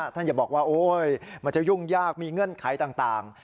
อย่าบอกว่าโอ๊ยมันจะยุ่งยากมีเงื่อนไขต่าง